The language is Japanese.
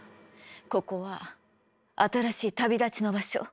ここは新しい旅立ちの場所。